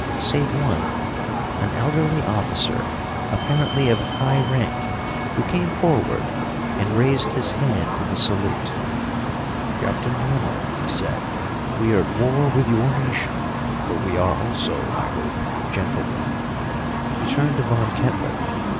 Save one, an elderly officer, apparently of high rank, who came forward and raised his hand to the salute. "Captain Rennell," he said, "we are at war with your nation, but we are also, I hope, gentlemen." He turned to Von Kettler.